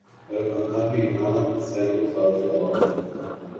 میرا خاندان بھی یہاں سینکڑوں سال سے آباد ہے